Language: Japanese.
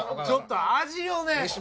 ちょっと味をね